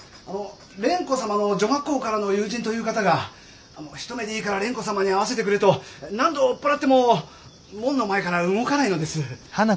蓮子様の女学校からの友人という方が一目でいいから蓮子様に会わせてくれと何度追っ払っても門の前から動かないのです。